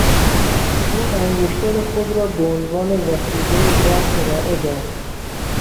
او انگشتر خود را به عنوان وثیقهی وام ارائه داد.